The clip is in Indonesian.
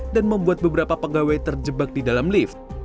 dan membuat beberapa pegawai terjebak di dalam lift